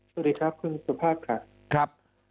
สวัสดีครับคุณสุภาพครับ